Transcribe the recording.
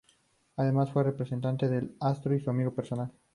Además, fue representante del astro y su amigo personal.